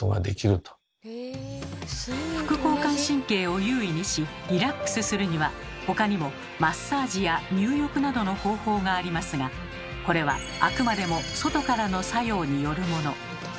副交感神経を優位にしリラックスするには他にもマッサージや入浴などの方法がありますがこれはあくまでも外からの作用によるもの。